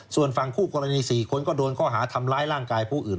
ส่วนฝั่งคู่กรณี๔คนก็โดนข้อหาทำร้ายร่างกายผู้อื่น